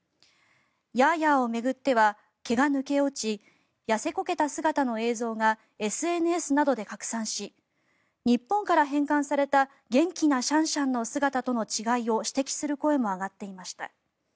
ヤーヤーを巡っては毛が抜け落ち痩せこけた姿の映像がＳＮＳなどで拡散し日本から返還された元気なシャンシャンの姿との違いを指摘する声も上がっていました。